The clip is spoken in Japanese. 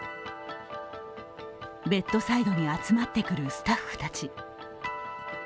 ベッドサイドに集まってくるスタッフたち。